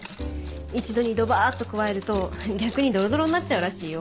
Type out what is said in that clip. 一度にドバっと加えると逆にドロドロになっちゃうらしいよ。